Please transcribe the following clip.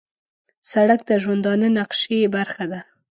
سړک د ژوندانه نقشې برخه ده.